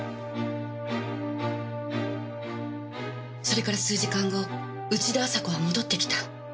それから数時間後内田朝子は戻ってきた。